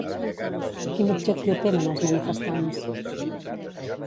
Quin objectiu tenen els manifestants?